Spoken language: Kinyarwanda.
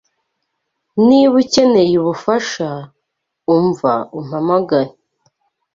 Niba ukeneye ubufasha, umva umpamagare.